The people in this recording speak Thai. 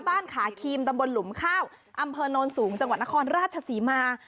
ขาครีมตำบลหลุมข้าวอำเภอโนนสูงจังหวัดนครราชศรีมา